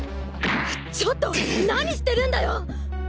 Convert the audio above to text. ちょっと何してるんだよ！